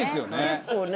結構ね。